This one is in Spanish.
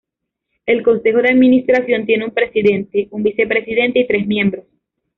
El consejo de administración tiene un presidente, un vicepresidente, y tres miembros.